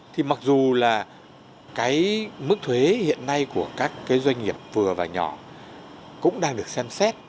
thì mặc dù là cái mức thuế hiện nay của các cái doanh nghiệp vừa và nhỏ cũng đang được xem xét